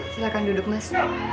silahkan duduk mas